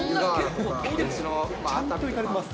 ちゃんと行かれます。